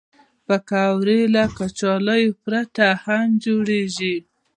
پکورې له کچالو پرته هم جوړېږي